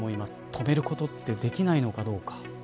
止めることできないのかどうか。